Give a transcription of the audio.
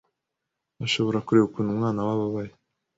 ashobora kureba ukuntu umwana we ababaye